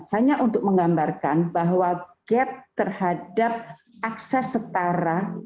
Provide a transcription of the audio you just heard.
hanya untuk menggambarkan bahwa gap terhadap akses setara